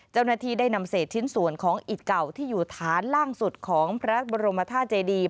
เจ้าหน้าที่ได้นำเศษชิ้นส่วนของอิดเก่าที่อยู่ฐานล่างสุดของพระบรมธาตุเจดี